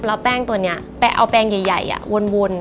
แล้วแป้งตัวเนี้ยแปะเอาแปงใหญ่อะวน